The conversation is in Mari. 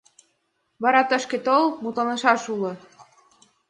Вара тышке тол, мутланышаш уло.